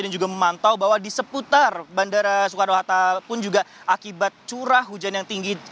dan juga memantau bahwa di seputar bandara soekarno hatta pun juga akibat curah hujan yang tinggi